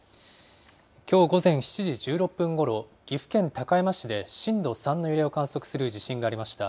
きょう午前７時１６分ごろ、岐阜県高山市で震度３の揺れを観測する地震がありました。